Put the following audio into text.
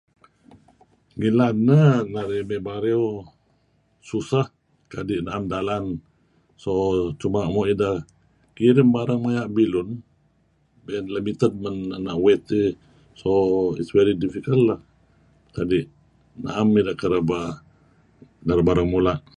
"Ngilad neh renga' may ngi Bario susah di' naem dalan so cuma uih kirim barang maya' bilun limited men weight dih ""so it is really difficult"" kadi' naem ideh kereb naru' barang mula'. "